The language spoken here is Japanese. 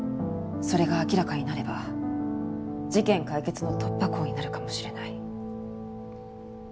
それが明らかになれば事件解決の突破口になるかもしれない。